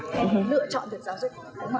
hèn lựa chọn được giáo dục